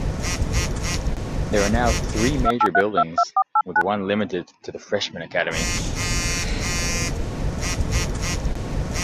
There are now three major buildings with one limited to the Freshman Academy.